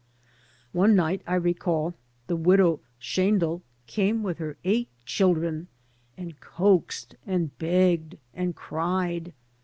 One night, I recall, the widow Shaindel came with her eight children, and coaxed and begged and cried.